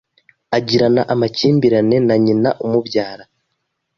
Agirana amakimbirane na nyina umubyara